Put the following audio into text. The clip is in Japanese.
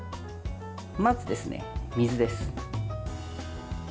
まず、水です。